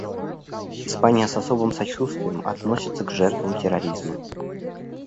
Испания с особым сочувствием относится к жертвам терроризма.